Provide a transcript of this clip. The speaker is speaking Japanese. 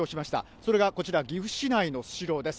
それがこちら、岐阜市内のスシローです。